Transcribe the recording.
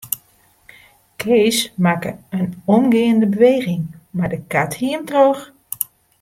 Kees makke in omgeande beweging, mar de kat hie him troch.